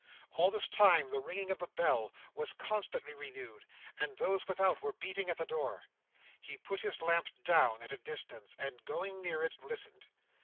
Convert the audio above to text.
All this time, the ringing at the bell was constantly renewed, and those without were beating at the door. He put his lamp down at a distance, and going near it, listened.